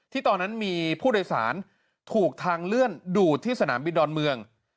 ตอนนั้นมีผู้โดยสารถูกทางเลื่อนดูดที่สนามบินดอนเมือง